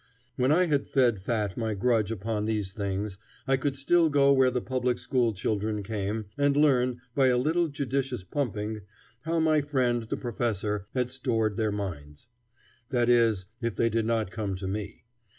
When I had fed fat my grudge upon these things, I could still go where the public school children came, and learn, by a little judicious pumping, how my friend, the professor, had stored their minds. That is, if they did not come to me.